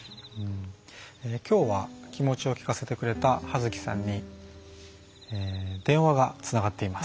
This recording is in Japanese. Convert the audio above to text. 今日は気持ちを聞かせてくれた葉月さんに電話がつながっています。